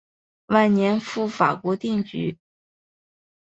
晚年赴法国定居。